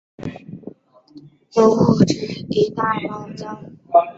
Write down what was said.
埃尔利海滩是大堡礁观光的门户之一。